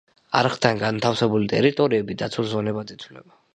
არხთან განთავსებული ტერიტორიები დაცულ ზონებად ითვლება.